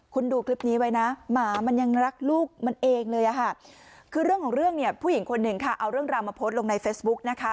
คุณดูคลิปนี้ไว้นะหมามันยังรักลูกมันเองเลยอ่ะค่ะคือเรื่องของเรื่องเนี่ยผู้หญิงคนหนึ่งค่ะเอาเรื่องราวมาโพสต์ลงในเฟซบุ๊กนะคะ